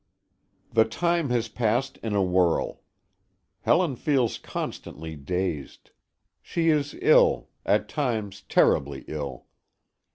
The time has passed in a whirl. Helen feels constantly dazed. She is ill; at times, terribly ill.